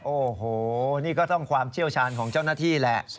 โอ้โหนี่ก็ต้องความเชี่ยวชาญของเจ้าหน้าที่แหละ